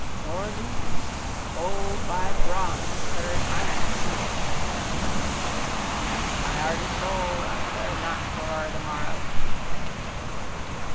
Lord lieutenant. Gold by bronze heard iron steel. —............ _my ardent soul I care not foror the morrow.